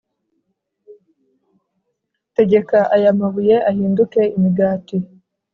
. Tegeka aya mabuye ahinduke imigati.